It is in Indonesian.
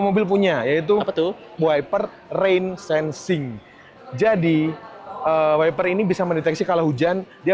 mobil punya yaitu wiperhope rain lucas jadi cooker ini masih mau deteksi kalau hujan dia